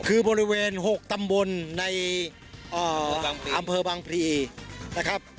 คือบริเวณ๖ตำบลในอำเภอบางพลีนะครับ